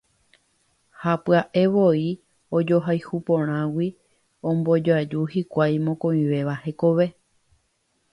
Ha pya'evoi ojohayhu porãgui ombojoaju hikuái mokõivéva hekove.